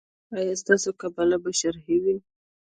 ایا ستاسو قباله به شرعي وي؟